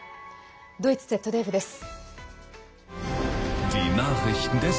ドイツＺＤＦです。